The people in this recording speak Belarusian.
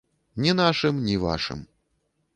Ні нашым, ні вашым.